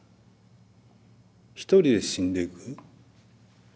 一人で死んでいく。